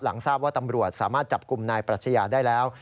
ทราบว่าตำรวจสามารถจับกลุ่มนายปรัชญาได้แล้ว